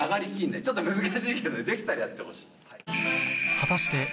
ちょっと難しいけどねできたらやってほしい。